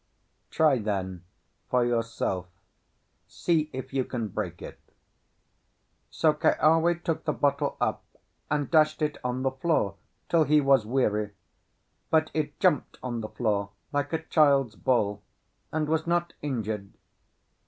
"Try, then, for yourself. See if you can break it." So Keawe took the bottle up and dashed it on the floor till he was weary; but it jumped on the floor like a child's ball, and was not injured.